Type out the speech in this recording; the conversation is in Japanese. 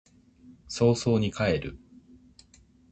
早々に帰る